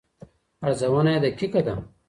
ارزونه یې دقیقه ده.